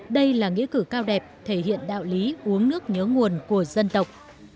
đây là nghĩa cử cao đẹp thể hiện đạo lý uống nước nhớ nguồn của dân tộc